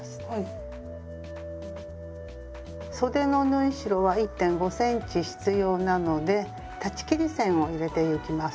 そでの縫い代は１．５ｃｍ必要なので裁ち切り線を入れてゆきます。